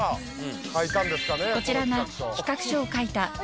こちらが企画書を書いた